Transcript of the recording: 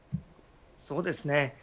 そうですね。